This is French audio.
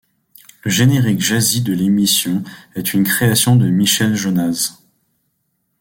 Le générique jazzy de l'émission est une création de Michel Jonasz.